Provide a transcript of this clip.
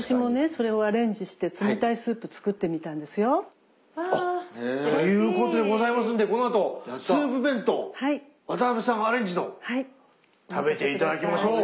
それをアレンジして冷たいスープ作ってみたんですよ。ということでございますんでこのあとスープ弁当渡辺さんアレンジの食べて頂きましょう。